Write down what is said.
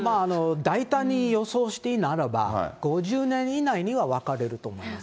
大胆に予想していいならば、５０年以内には別れると思います。